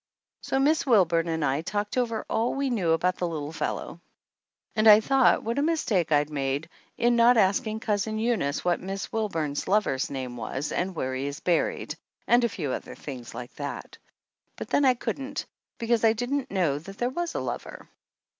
So Miss Wilburn and I talked over all we knew about the little fellow ; and I thought what a mistake I'd made in not asking Cousin Eunice what Miss Wilburn's lover's name was and where he is buried and a few other things like that. But then I couldn't, because I didn't know that there was a lover.